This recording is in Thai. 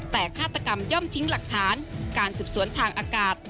แต่ฆาตกรรมย่อมทิ้งหลักฐานการสืบสวนทางอากาศ